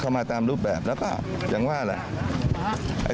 เข้ามาตามรูปแบบแล้วก็อย่างว่าอะไร